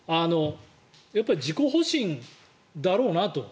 やっぱり自己保身だろうなと。